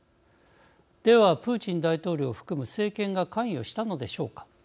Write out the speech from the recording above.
では、プーチン大統領を含む政権が関与したのでしょうか。